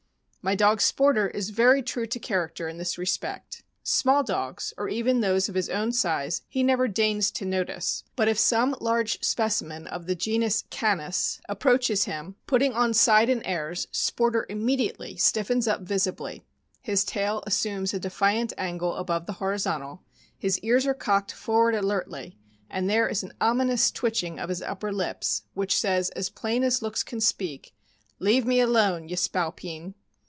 My dog Sporter is very true to character in this respect. Small dogs, or even those of his own size, he never deigns to notice; but if some large specimen of the genus Cants 27 418 THE AMERICAN BOOK OF THE DOG. approaches him, putting on "side" and airs, Sporter immediately stiffens up visibly, his tail assumes a defiant angle above the horizontal, his ears are cocked forward alertly, and there is an ominous twitching of his upper lips which says, as plain as looks can speak, " Lave me alone, ye spalpeen."